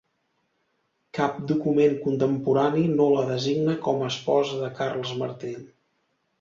Cap document contemporani no la designa com a esposa de Carles Martell.